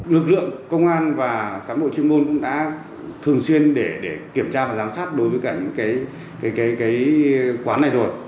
lực lượng công an và cán bộ chuyên môn cũng đã thường xuyên để kiểm tra và giám sát đối với cả những quán này rồi